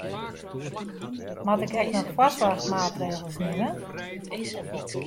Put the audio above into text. Moat ik ek noch foarsoarchmaatregels nimme?